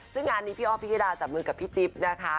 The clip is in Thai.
ซึ่งงานนี้พี่อ้อมพิยดาจับมือกับพี่จิ๊บนะคะ